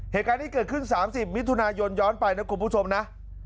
เหตุการณ์นี้เกิดขึ้น๓๐มิถุนายนย้อนไปนะคุณผู้ชมนะ